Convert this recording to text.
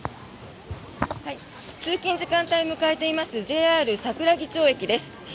通勤時間帯を迎えていますＪＲ桜木町駅です。